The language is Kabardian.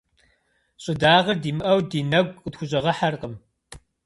Щӏыдагъэр димыӏэу ди нэгу къытхущӏэгъэхьэркъым.